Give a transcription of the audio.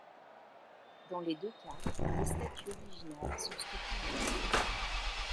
Dans les deux cas, les statues originales sont stockées ailleurs.